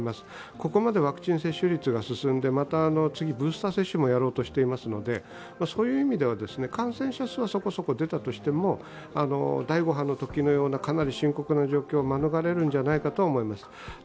ここまでワクチン接種率が進んで、また次に分散接種もやろうとしていますので、感染者数はそこそこ出たとしても、第５波のときのようなかなり深刻な状況を免れるんじゃないかとは思います。